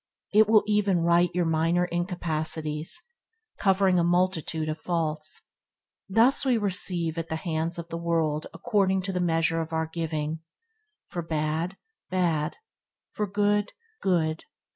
It will even right your minor incapacitaties; covering a multitude of faults. Thus we receive at the hands of the world according to the measure of our giving. For bad, bad; for good, good.